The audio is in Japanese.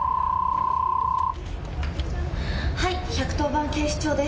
はい、１１０番警視庁です。